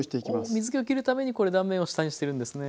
水けをきるためにこれ断面を下にしてるんですね。